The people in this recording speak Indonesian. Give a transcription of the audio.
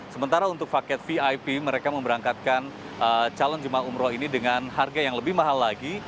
sementara untuk paket vip mereka memberangkatkan calon jemaah umroh ini dengan harga yang lebih mahal lagi